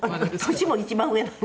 年も一番上なの。